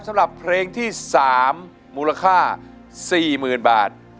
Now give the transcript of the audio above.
สำหรับเพลงที่๓มูลค่า๔๐๐๐บาท